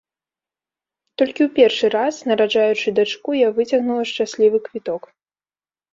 Толькі ў першы раз, нараджаючы дачку, я выцягнула шчаслівы квіток.